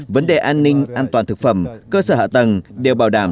vấn đề an ninh an toàn thực phẩm cơ sở hạ tầng đều bảo đảm